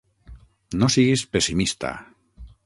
No siguis pessimista!